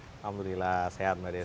alhamdulillah sehat mbak desi